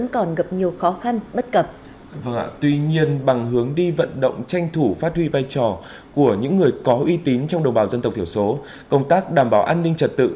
công tác của những người có uy tín trong đồng bào dân tộc thiểu số công tác đảm bảo an ninh trật tự